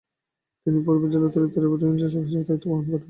তিনি ফরিদপুর জেলার অতিরিক্ত ডেপুটি ইন্সপেক্টর হিসেবে দায়িত্ব গ্রহণ করেন।